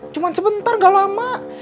cuman sebentar gak lama